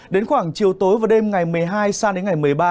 đến khoảng chiều tối và đêm ngày một mươi hai sang đến ngày một mươi ba